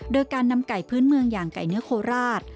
โดยการนำไก่พื้นเมืองอย่างไก่เนื้อโคราช